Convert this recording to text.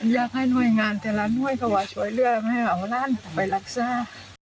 อยากให้หน่วยงานก่อนก็ช่วยเลือกให้เอาร่านไปรักษา